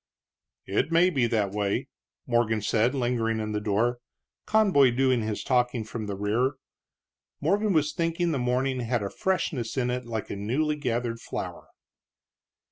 "It may be that way," Morgan said, lingering in the door, Conboy doing his talking from the rear. Morgan was thinking the morning had a freshness in it like a newly gathered flower.